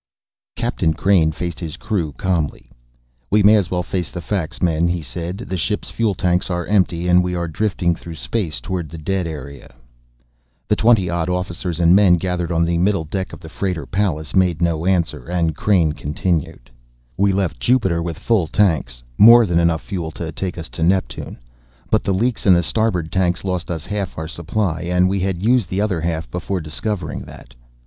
Captain Crain faced his crew calmly. "We may as well face the facts, men," he said. "The ship's fuel tanks are empty and we are drifting through space toward the dead area." The twenty odd officers and men gathered on the middle deck of the freighter Pallas made no answer, and Crain continued: "We left Jupiter with full tanks, more than enough fuel to take us to Neptune. But the leaks in the starboard tanks lost us half our supply, and we had used the other half before discovering that.